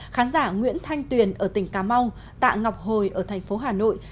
khán giả nguyễn thanh tuyền ở tỉnh cà mau tạ ngọc hồi ở thành phố hà nội